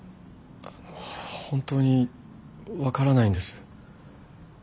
あの本当に分からないんです。